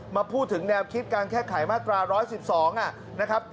มาพูดถึงแนวคิดการแก้ไขมาตรา๑๑๒นะครับ